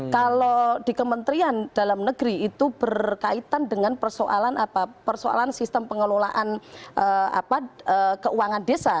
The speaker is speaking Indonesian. kalau di kementerian dalam negeri itu berkaitan dengan persoalan sistem pengelolaan keuangan desa